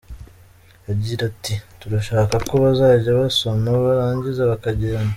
Agira ati “Turashaka ko bazajya basoma barangiza bakagenda.